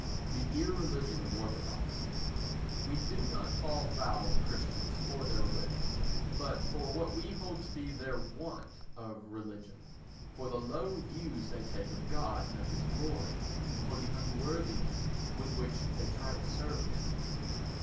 The Irreligion of Orthodoxy We do not fall foul of Christians for their religion, but for what we hold to be their want of religion—for the low views they take of God and of his glory, and for the unworthiness with which they try to serve him.